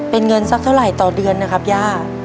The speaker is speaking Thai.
เป็นเงินสักเท่าไหร่ต่อเดือนนะครับย่า